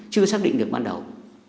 chưa xác định được ban đầu